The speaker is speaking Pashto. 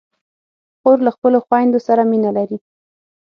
خور له خپلو خویندو سره مینه لري.